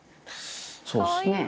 そうですね。ねぇ。